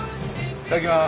いただきます！